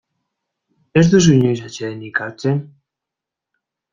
Ez duzu inoiz atsedenik hartzen?